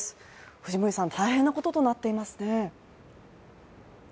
藤森さん、大変なこととなっていますね。